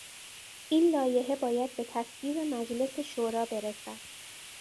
این لایحه باید به تصویب مجلس شورا برسد.